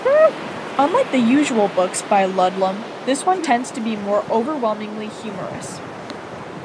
Unlike the usual books by Ludlum, this one tends to be overwhelmingly humorous.